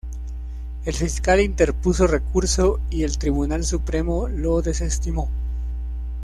El fiscal interpuso recurso y el Tribunal Supremo lo desestimó.